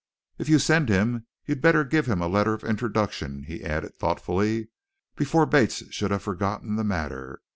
"If you send him you'd better give him a letter of introduction," he added thoughtfully, before Bates should have forgotten the matter.